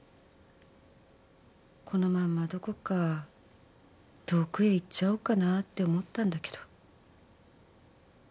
このまんまどこか遠くへ行っちゃおうかなって思ったんだけど。